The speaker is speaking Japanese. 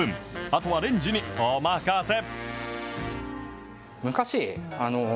あとはレンジにお任せ。